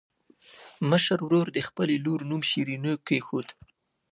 مشر ورور د خپلې لور نوم شیرینو کېښود.